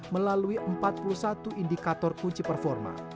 melalui empat puluh satu indikator kunci performa